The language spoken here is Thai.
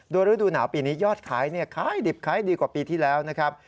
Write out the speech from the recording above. ดัวฤดูหนาวปีนี้ยอดขายดีกว่าปีที่แล้วนะครับ